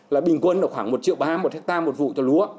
là bình quân là khoảng một triệu ba một hectare một vụ cho lúa